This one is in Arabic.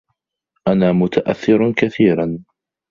أنا متأثّر كثيرا.